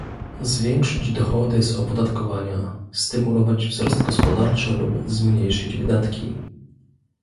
zwiększyć dochody z opodatkowania, stymulować wzrost gospodarczy lub zmniejszyć wydatki